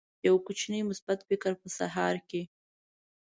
یو کوچنی مثبت فکر په سهار کې